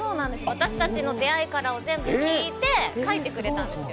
私たちの出会いからを全部聞いて書いてくれたんですよ。